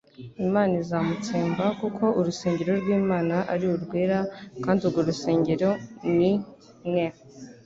Imana izamutsemba; kuko urusengero rw'Imana ari urwera kandi urwo rusengero ni mwe".